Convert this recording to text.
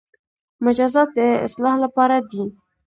مجازات د اصلاح لپاره دي